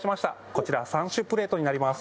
こちら３種プレートになります。